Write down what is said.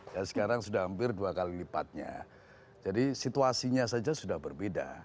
dan sekarang sudah hampir dua kali lipatnya jadi situasinya saja sudah berbeda